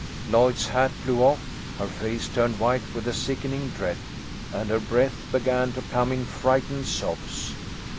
Lloyd's hat blew off. Her face turned white with a sickening dread, and her breath began to come in frightened sobs.